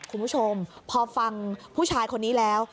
คุณผู้ชมพอฟังผู้ชายคนนี้แล้ว